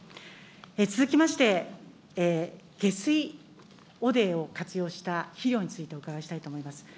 続きまして、下水汚泥を活用した肥料についてお伺いしたいと思います。